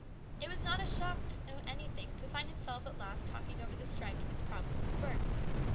It was not a shock to anything to find himself at last talking over the strike and its problems with Burke.